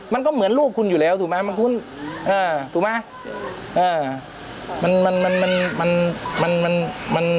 มันก็เหมือนลูกคุณอยู่แล้วถูกไหมมันคุ้นถูกไหม